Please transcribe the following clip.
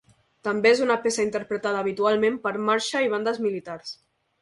També és una peça interpretada habitualment per marxa i bandes militars.